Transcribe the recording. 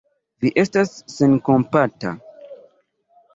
Vi estas senkompata!